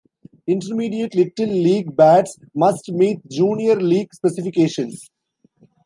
Intermediate Little League bats must meet Junior League specifications.